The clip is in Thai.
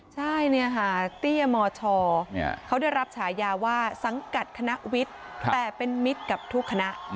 ใช่เนี่ยค่ะเตี้ยมชเขาได้รับฉายาว่าสังกัดคณะวิทย์แต่เป็นมิตรกับทุกคณะ